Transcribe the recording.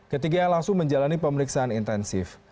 ketiga langsung menjalani pemeriksaan intensif